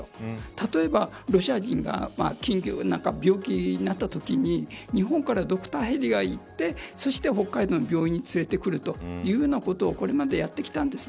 例えば、ロシア人が緊急で病気になったときに日本からドクターヘリがいってそして北海道の病院に連れてくるというようなことをこれまでやってきたんです。